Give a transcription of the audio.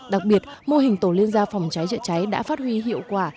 đặc biệt mô hình tổ liên gia phòng cháy chữa cháy đã phát huy hiệu quả